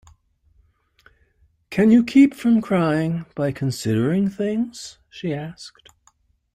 ‘Can you keep from crying by considering things?’ she asked.